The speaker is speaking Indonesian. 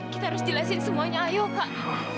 kita harus jelasin semuanya ayo kak